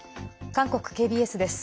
韓国ＫＢＳです。